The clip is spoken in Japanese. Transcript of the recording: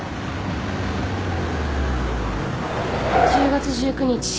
１０月１９日。